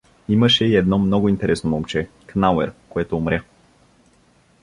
Имаше и едно много интересно момче — Кнауер, което умря.